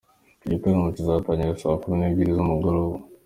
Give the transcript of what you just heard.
Iki gitaramo kizatangira saa kumi n'ebyili z'umugoroba.